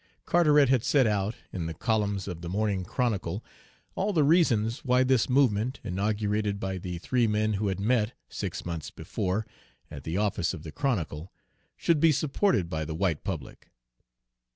Carteret had set out, in the columns of the Morning Chronicle, all the reasons why this movement, inaugurated by the three men who had met, six months before, at the office of the Chronicle, should be supported by the white public.